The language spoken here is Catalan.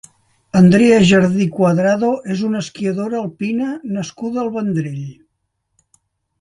Andrea Jardí Cuadrado és una esquiadora alpina nascuda al Vendrell.